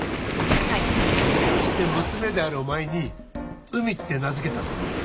はいどうして娘であるお前に「海」って名づけたと思う？